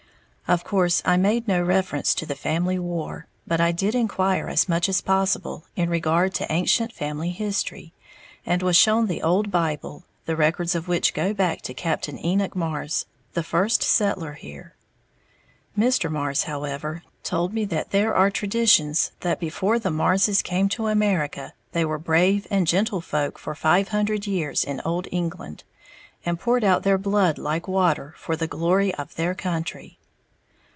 Of course I made no reference to the family "war," but I did inquire as much as possible in regard to ancient family history, and was shown the old Bible, the records of which go back to Captain Enoch Marrs, the first settler here. Mr. Marrs, however, told me that there are traditions that before the Marrses came to America, they were brave and gentle folk for five hundred years in Old England, and poured out their blood like water for the glory of their country.